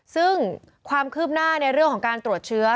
ซึ่งความคืบหน้าในเรื่องของการตรวจเชื้อ